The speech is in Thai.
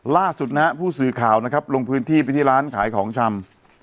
ล่าสุดนะฮะผู้สื่อข่าวนะครับลงพื้นที่ไปที่ร้านขายของชำ